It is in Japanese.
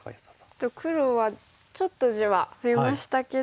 ちょっと黒はちょっと地は増えましたけど。